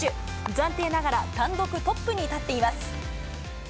暫定ながら単独トップに立っています。